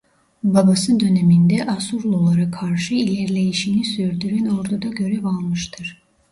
Babası döneminde Asurlular'a karşı ilerleyişini sürdüren orduda görev almıştır.